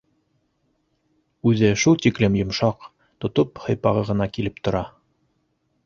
Үҙе шул тиклем йомшаҡ, тотоп һыйпағы ғына килеп тора.